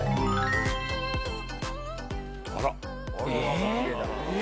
あら！